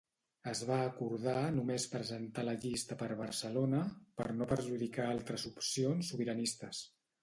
Es va acordar només presentar la llista per Barcelona, per no perjudicar altres opcions sobiranistes.